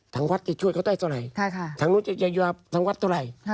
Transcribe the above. ทางวัดจะช่วยเขาได้เท่าไหร่ทางนู้นจะเยียวยาทางวัดเท่าไหร่